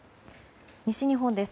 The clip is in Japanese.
西日本です。